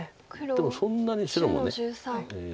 でもそんなに白も。